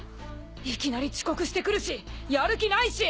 いきなり遅刻してくるしやる気ないし。